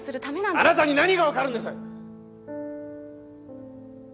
あなたに何が分かるんです！